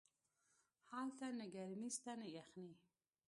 هلته نه گرمي سته نه يخني.